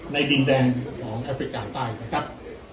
ดินแดนของแอฟริกาใต้นะครับ